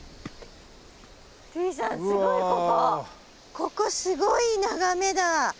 ここすごい眺めだ。